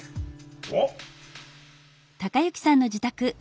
おっ。